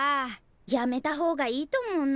やめた方がいいと思うな。